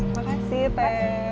terima kasih te